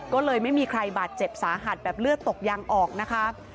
ก็เลยไม่มีใครบาดเจ็บสาหัสแบบเลือดตกยางออกนะคะ